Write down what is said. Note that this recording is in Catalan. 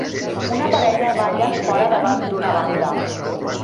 Una parella balla fora davant d'una banda.